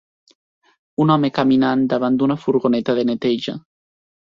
Un home caminant davant d'una furgoneta de neteja.